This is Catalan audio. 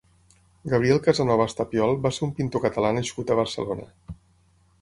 Gabriel Casanovas Tapiol va ser un pintor catalán nascut a Barcelona.